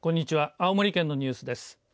青森県のニュースです。